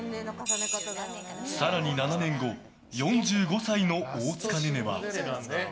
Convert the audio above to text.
更に７年後４５歳の大塚寧々は。